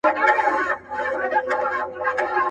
که مي څوک په امیری شمېري امیر یم ».